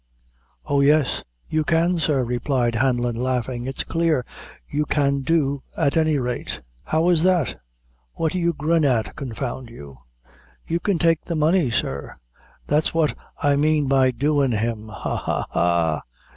"Oh, yes, you can, sir," replied Hanlon, laughing; "it's clear you can do at any rate." "How is that? What do you grin at, confound you?" "You can take the money, sir; that's what I mane by doin' him. Ha, ha, ha!"